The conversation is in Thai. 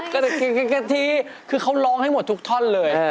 กระทิงกะทิคือเขาร้องให้หมดทุกท่อนเลย